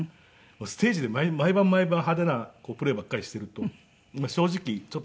ステージで毎晩毎晩派手なプレーばっかりしていると正直ちょっと荒れてくるんですよね